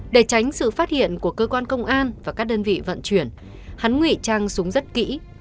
để tránh sự phát hiện của cơ quan công an và các đơn vị vận chuyển hắn ngụy trang súng rất kỹ